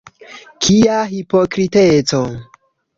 Kia hipokriteco!